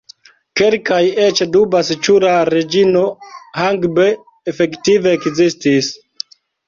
Kelkaj eĉ dubas ĉu la Reĝino Hangbe efektive ekzistis.